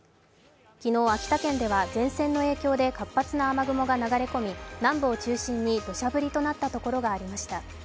昨日、秋田県では前線の影響で活発な雨雲が流れ込み、南部を中心に土砂降りとなったところがありました。